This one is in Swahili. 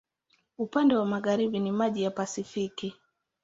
Upande wa magharibi ni maji wa Pasifiki.